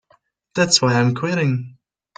That's why I'm quitting.